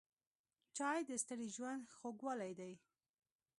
چای د ستړي ژوند خوږوالی دی.